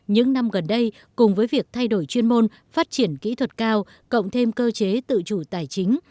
những năm gần đây cùng với việc thay đổi chuyên môn phát triển kỹ thuật cao cộng thêm cơ chế tự chủ tài chính